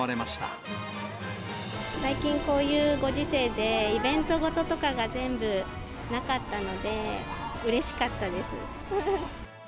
最近、こういうご時世でイベントごととかが全部なかったので、うれしかったです。